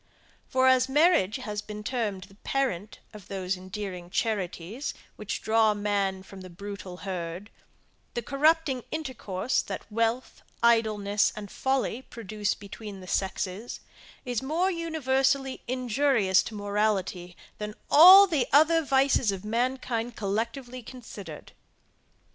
For as marriage has been termed the parent of those endearing charities, which draw man from the brutal herd, the corrupting intercourse that wealth, idleness, and folly produce between the sexes, is more universally injurious to morality, than all the other vices of mankind collectively considered.